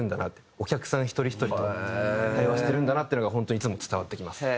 お客さん１人１人と対話してるんだなっていうのが本当にいつも伝わってきます。